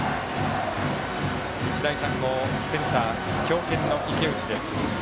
日大三高、センター強肩の池内です。